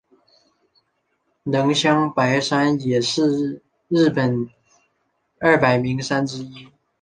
能乡白山也是日本二百名山之一。